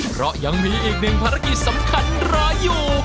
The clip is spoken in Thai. เพราะยังมีอีกหนึ่งภารกิจสำคัญรออยู่